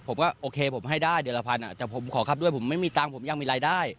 โอเคผมให้ได้เดือนละพันแต่ผมขอขับด้วยผมไม่มีตังค์ผมยังมีรายได้